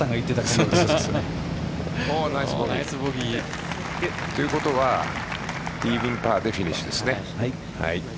ナイスボギー。ということはイーブンパーでフィニッシュですね。